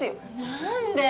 何で？